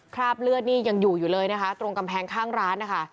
คราบเลือดนี่ยังอยู่อยู่เลยนะคะตรงกำแพงข้างร้านนะคะ